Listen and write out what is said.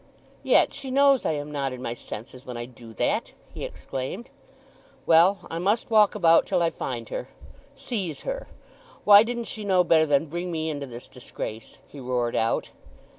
"Yet she knows I am not in my senses when I do that!" he exclaimed. "Well, I must walk about till I find her.... Seize her, why didn't she know better than bring me into this disgrace!" he roared out.